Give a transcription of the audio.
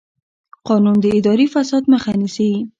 قانون د اداري فساد مخه نیسي.